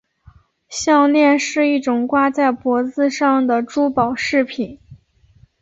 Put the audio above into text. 项链是一种挂在脖子上的珠宝饰品。